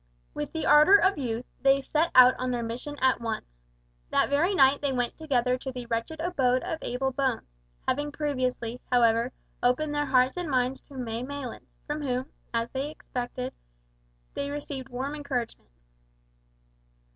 With the ardour of youth, they set out on their mission at once. That very night they went together to the wretched abode of Abel Bones, having previously, however, opened their hearts and minds to May Maylands, from whom, as they had expected, they received warm encouragement.